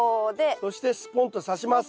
そしてスポンとさします。